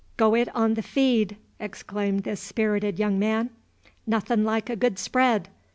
"Go it on the feed!" exclaimed this spirited young man. "Nothin' like a good spread.